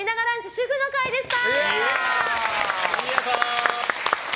主婦の会でした。